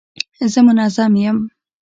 زه منظم یم.